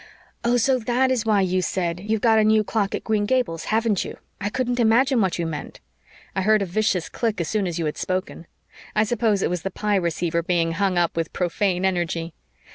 "Oh, so that is why you said, 'You've got a new clock at Green Gables, haven't you?' I couldn't imagine what you meant. I heard a vicious click as soon as you had spoken. I suppose it was the Pye receiver being hung up with profane energy.